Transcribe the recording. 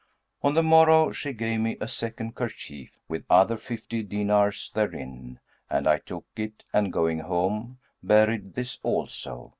On the morrow, she gave me a second kerchief, with other fifty dinars therein, and I took it and going home, buried this also.